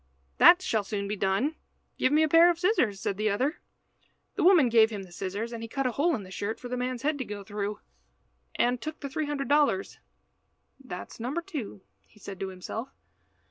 "That shall soon be done. Give me a pair of scissors," said the other. The woman gave him the scissors, and he cut a hole in the shirt for the man's head to go through, and took the three hundred dollars. "That is number two," said he to himself.